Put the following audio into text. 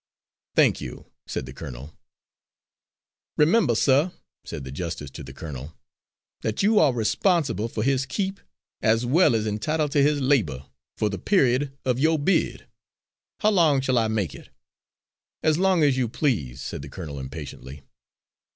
"Thank you," said the colonel. "Remember, suh," said the justice to the colonel, "that you are responsible for his keep as well as entitled to his labour, for the period of your bid. How long shall I make it?" "As long as you please," said the colonel impatiently.